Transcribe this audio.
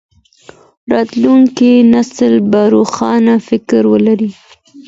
راتلونکی نسل به روښانه فکر ولري.